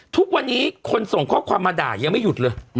ทุกวันนี้คนส่งข้อความมาด่ายังไม่หยุดเลย